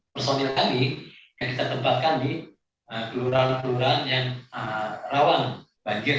dua ratus enam puluh tujuh personil kami yang kita tempatkan di kelurahan kelurahan yang rawang banjir